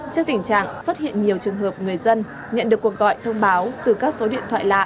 trước tình trạng xuất hiện nhiều trường hợp người dân nhận được cuộc gọi thông báo từ các số điện thoại lạ